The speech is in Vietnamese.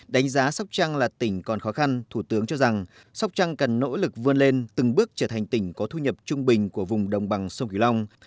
đánh giá sóc trăng là tỉnh còn khó khăn thủ tướng cho rằng sóc trăng cần nỗ lực vươn lên từng bước trở thành tỉnh có thu nhập trung bình của vùng đồng bằng sông kỳ long